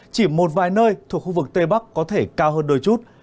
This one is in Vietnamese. chỉ một vài nơi thuộc khu vực tây bắc có thể cao hơn đôi chút